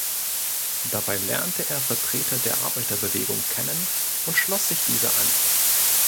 Dabei lernte er Vertreter der Arbeiterbewegung kennen und schloss sich dieser an.